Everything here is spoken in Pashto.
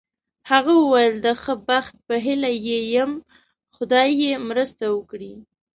هغه وویل: د ښه بخت په هیله یې یم، خدای یې مرسته وکړي.